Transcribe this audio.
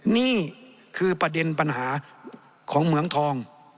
นี่คือประเด็นปัญหาของเหมืองทอง